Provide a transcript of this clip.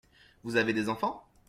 Vous avez des enfants ?